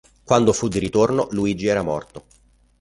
Quando fu di ritorno Luigi era morto.